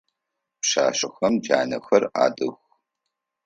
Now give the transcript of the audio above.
Пшъашъэхэм джанэхэр адых.